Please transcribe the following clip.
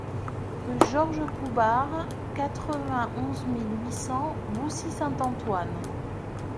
Rue Georges Coubard, quatre-vingt-onze mille huit cents Boussy-Saint-Antoine